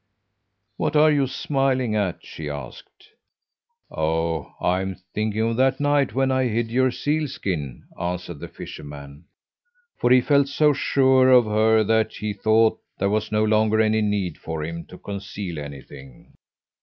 "'What are you smiling at?' she asked. "'Oh, I'm thinking of that night when I hid your seal skin,' answered the fisherman; for he felt so sure of her that he thought there was no longer any need for him to conceal anything.